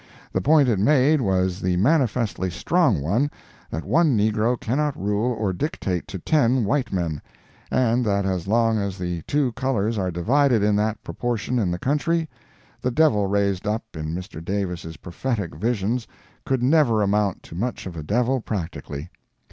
The point it made was the manifestly strong one that one negro cannot rule or dictate to ten white men; and that as long as the two colors are divided in that proportion in the country, the devil raised up in Mr. Davis's prophetic visions could never amount to much of a devil practically.